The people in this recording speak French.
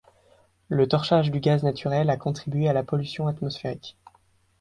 Le torchage du gaz naturel a contribué à la pollution atmosphérique.